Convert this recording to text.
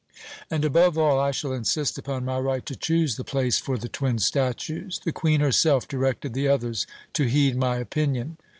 "And, above all, I shall insist upon my right to choose the place for the twin statues. The Queen herself directed the others to heed my opinion."